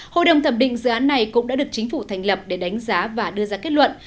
hội đồng thẩm định dự án này cũng đã được chính phủ thành lập để đánh giá và đưa ra kết luận